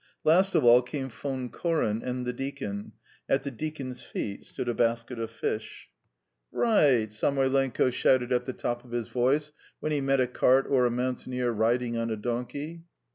Last of all came Von Koren and the deacon; at the deacon's feet stood a basket of fish. "R r right!" Samoylenko shouted at the top of his voice when he met a cart or a mountaineer riding on a donkey.